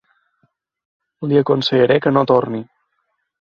Li aconsellaré que no torni.